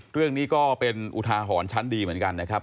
เรื่องนี้ก็เป็นอุทาหรณ์ชั้นดีเหมือนกันนะครับ